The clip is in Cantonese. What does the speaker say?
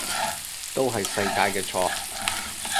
都係世界嘅錯